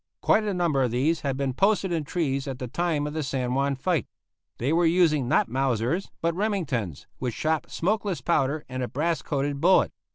Quite a number of these had been posted in trees at the time of the San Juan fight. They were using, not Mausers, but Remingtons, which shot smokeless powder and a brass coated bullet.